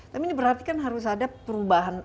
tapi ini berarti kan harus ada perubahan